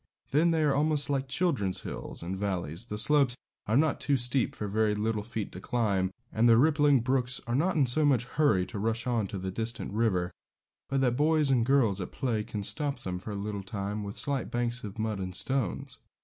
Then they are almost like children's hills and valleys; the slopes are not too steep for very little feet to climb, and the rippling brooks are not in so much hurry to rush on to the distant river, but that boys and girls at play can stop them for a little time with slight banks of mud and stones.